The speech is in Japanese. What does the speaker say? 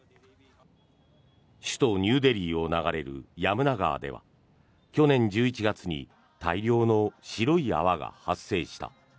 首都ニューデリーを流れるヤムナ川では去年１１月に大量の白い泡が発生した。